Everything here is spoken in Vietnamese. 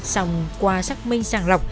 xong qua xác minh sàng lọc